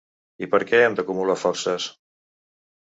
I per què hem d’acumular forces?